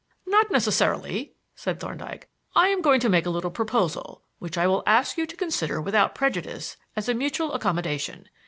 "Not necessarily," said Thorndyke. "I am going to make a little proposal, which I will ask you to consider without prejudice as a mutual accommodation.